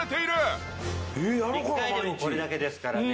１回でもこれだけですからね。